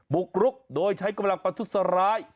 บุกรุกโดยใช้กำลังประทุษร้าย